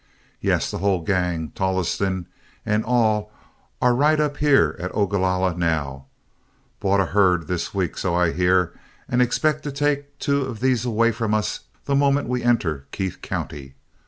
Yes, the whole gang, Tolleston and all, are right up here at Ogalalla now; bought a herd this week, so I hear, and expect to take two of these away from us the moment we enter Keith County.